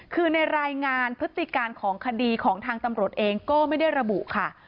คือในรายงานพฤติการของคดีของทางตำรวจเองก็ไม่ได้ระบุค่ะ